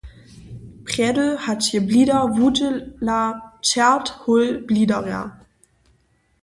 Prjedy hač je blidar wudźěla, čert hól blidarja!